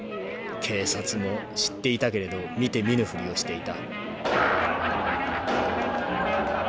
警察も知っていたけれど見て見ぬふりをしていた」。